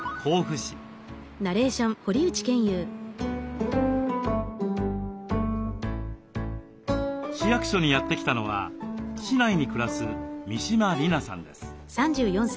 市役所にやって来たのは市内に暮らす三嶋利奈さんです。